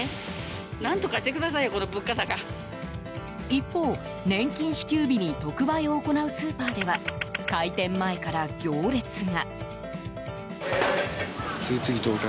一方、年金支給日に特売を行うスーパーでは開店前から行列が。